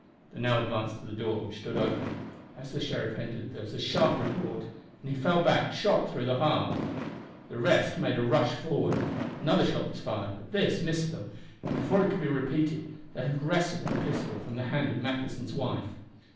They now advanced to the door, which stood open. As the sheriff entered there was a sharp report, and he fell back shot through the heart. The rest made a rush forward. Another shot was fired, but this missed them, and before it could be repeated they had wrested the pistol from the hand of Matheson's wife.